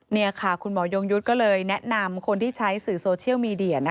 นี่ค่ะคุณหมอยงยุทธ์ก็เลยแนะนำคนที่ใช้สื่อโซเชียลมีเดีย